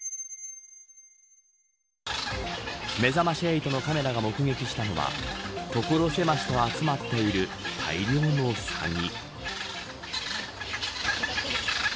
めざまし８のカメラが目撃したのは所狭しと集まっている大量のサギ。